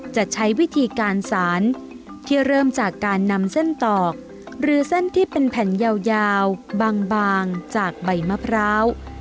จะใช้วิธีการสารที่เริ่มจากการนำเส้นตอกหรือเส้นที่เป็นแผ่นยาวบางจากใบมะพร้าว